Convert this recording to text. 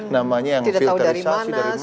namanya yang filterisasi dari masyarakat